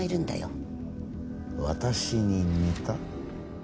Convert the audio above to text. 私に似た？